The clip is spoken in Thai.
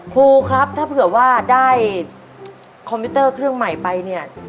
ครูครับถ้าเผื่อว่าได้คอมพิวเตอร์เครื่องใหม่ไปเนี่ย